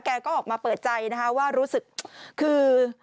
แกก็ออกมาเปิดใจนะคะว่ารู้สึกคือ